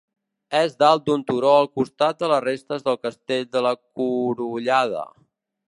És dalt d'un turó al costat de les restes del Castell de la Curullada.